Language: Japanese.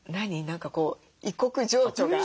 何かこう異国情緒が。